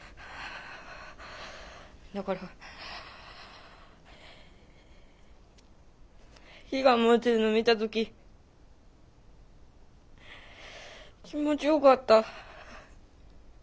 だから火が燃えてるの見た時気持ちよかった。